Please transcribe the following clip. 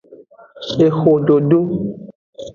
Ehododo.